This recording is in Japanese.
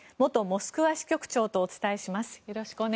モスクワ支局長とお伝えします。